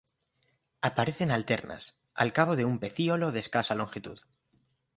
Aparecen alternas, al cabo de un pecíolo de escasa longitud.